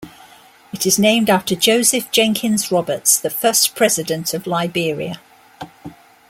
It is named after Joseph Jenkins Roberts, the first president of Liberia.